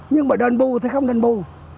nhưng mà đền bù thì không đền bù